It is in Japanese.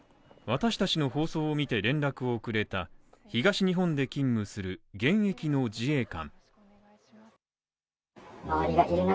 私達の放送を見て連絡をくれた東日本で勤務する現役の自衛官。